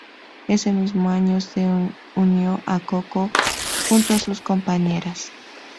Ese mismo año se unió a CoCo, junto a sus compañeras.